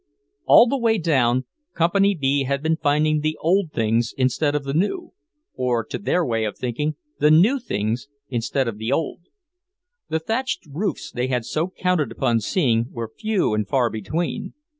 All the way down, Company B had been finding the old things instead of the new, or, to their way of thinking, the new things instead of the old. The thatched roofs they had so counted upon seeing were few and far between.